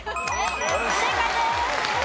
正解です。